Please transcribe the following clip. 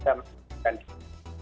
karena kita menggandakan diri